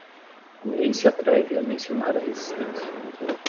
Ninguém se atreve a mencionar a resistência